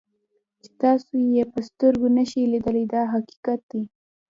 چې تاسو یې په سترګو نشئ لیدلی دا حقیقت دی.